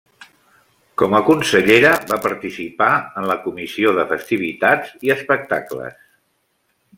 Com a consellera va participar en la comissió de Festivitats i Espectacles.